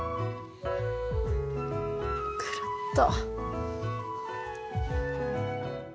くるっと。